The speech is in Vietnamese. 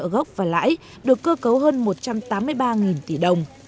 nợ gốc và lãi được cơ cấu hơn một trăm tám mươi ba tỷ đồng